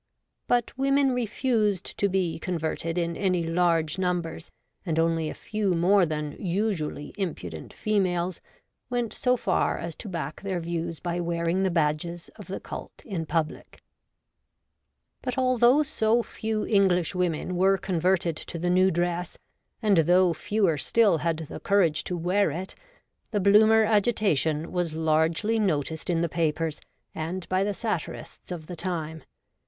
But women refused to be converted in any large numbers, and only a few more than usually impudent females went so far as to back their views by wearing the badges of the cult in public. THE DRESS REFORMERS. 31 But although so few EngHshwomen were con verted to the new dress, and though fewer still had the courage to wear it, the Bloomer agitation was largely noticed in the papers and by the satirists of the time.